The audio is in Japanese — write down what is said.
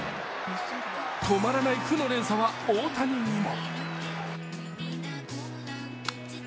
止まらない負の連鎖は大谷にも。